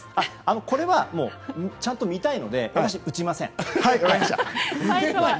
これは見たいので私、打ちません。